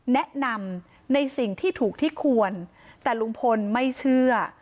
แนะนำในสิ่งที่ถูกที่ควรแต่ลุงพลไม่เชื่อ